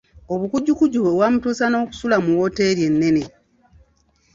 Obukujjukujju bwe bwamutuusa n'okusula mu wooteri ennene.